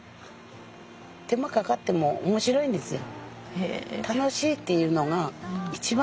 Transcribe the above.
手間かかっても面白いんですよ。